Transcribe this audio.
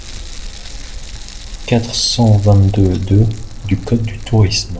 quatre cent vingt-deux-deux du code du tourisme.